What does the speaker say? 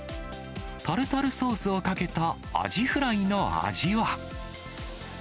タルタルソースをかけたアジフライの味は。